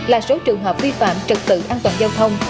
bốn ba mươi năm là số trường hợp vi phạm trật tự an toàn giao thông